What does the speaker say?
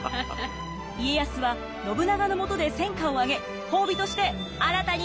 家康は信長のもとで戦果を上げ褒美として新たに領地をゲット！